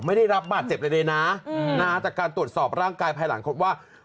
ไม่ได้รับบาดเจ็บอะไรเลยนะจากการตรวจสอบร่างกายภายหลังพบว่า